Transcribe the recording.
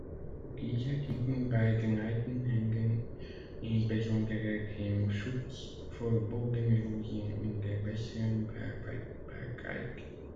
Diese dienten bei geneigten Hängen insbesondere dem Schutz vor Bodenerosion und der besseren Bearbeitbarkeit.